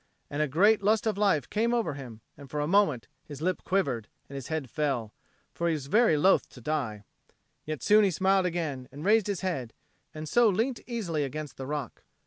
And a great lust of life came over him, and for a moment his lip quivered and his head fell; he was very loth to die. Yet soon he smiled again and raised his head, and so leant easily against the rock.